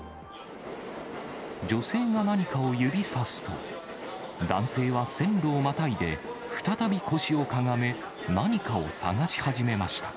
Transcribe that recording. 女性が何かを指さすと、男性は線路をまたいで、再び腰をかがめ、何かを探し始めました。